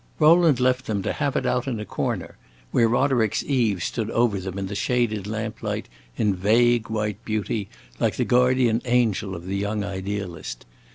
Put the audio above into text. Rowland left them to have it out in a corner, where Roderick's Eve stood over them in the shaded lamplight, in vague white beauty, like the guardian angel of the young idealist.